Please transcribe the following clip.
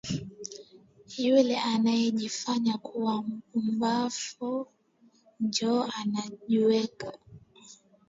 Ule anajifanyaka kuwa mupumbafu njo anajuwaka